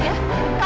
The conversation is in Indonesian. ternyata gini ya